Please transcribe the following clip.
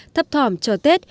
thấp thỏm chờ tết